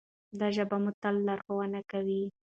دا ژبه به مو تل لارښوونه کوي.